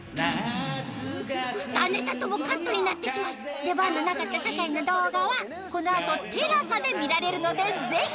２ネタともカットになってしまい出番のなかった酒井の動画はこのあとテラサで見られるのでぜひ！